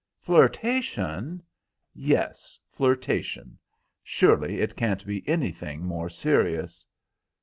"Flirtation?" "Yes, flirtation. Surely it can't be anything more serious?"